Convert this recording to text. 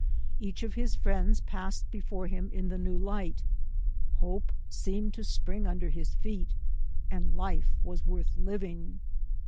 Each of his friends passed before him in the new light; hope seemed to spring under his feet, and life was worth living.